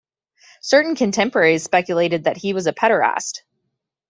Certain contemporaries speculated that he was a pederast.